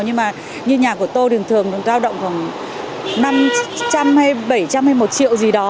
như nhà của tôi thì thường cao động khoảng năm trăm linh hay bảy trăm linh hay một triệu gì đó